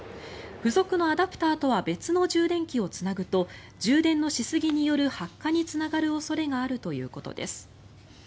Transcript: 付属のアダプターとは別の充電器をつなぐと充電のしすぎによる発火につながる恐れがあるということです。